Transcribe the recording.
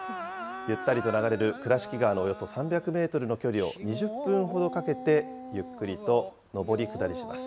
ゆったりと流れる倉敷川のおよそ３００メートルの距離を２０分ほどかけてゆっくりと上り下りします。